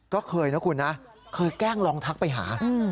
ก็เคยนะคุณนะเคยแกล้งลองทักไปหา